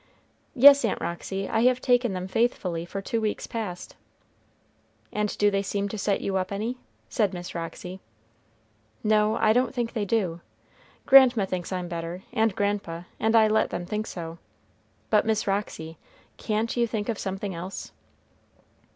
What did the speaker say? "Yes, Aunt Roxy, I have taken them faithfully for two weeks past." "And do they seem to set you up any?" said Miss Roxy. "No, I don't think they do. Grandma thinks I'm better, and grandpa, and I let them think so; but Miss Roxy, can't you think of something else?"